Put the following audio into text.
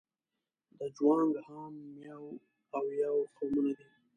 د جوانګ، هان، میاو او یاو قومونه دي.